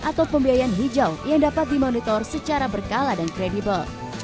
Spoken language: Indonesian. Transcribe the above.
atau pembiayaan hijau yang dapat dimonitor secara berkala dan kredibel